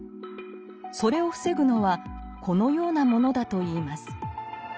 それを防ぐのはこのようなものだといいます。